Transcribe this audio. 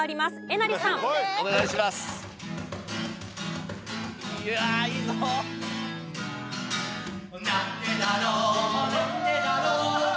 「なんでだろうなんでだなんでだろう」